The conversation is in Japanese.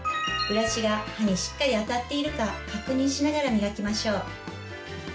ブラシが歯にしっかり当たっているか確認しながら磨きましょう。